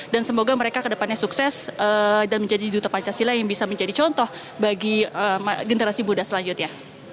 dan semoga mereka kedepannya sukses dan menjadi duta pancasila yang bisa menjadi contoh bagi generasi buddha selanjutnya